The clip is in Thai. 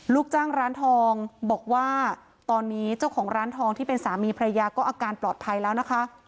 ลูกจ้างร้านทองบอกว่าตอนนี้เจ้าของร้านทองที่เป็นสามีพระยาก็อาการปลอดภัยแล้วนะคะ